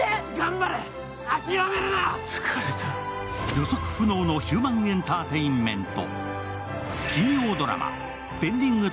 予測不能のヒューマンエンターテインメント。